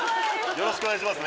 よろしくお願いします。